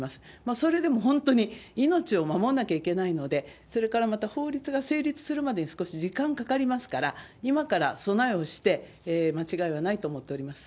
それでも本当に命を守んなきゃいけないので、それからまた法律が成立するまでに少し時間かかりますから、今から備えをして間違いはないと思っております。